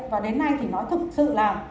và đến nay thì nói thực sự là